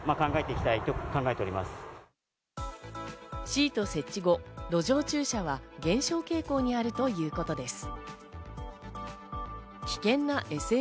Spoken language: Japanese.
シート設置後、路上駐車は減少傾向にあるということです。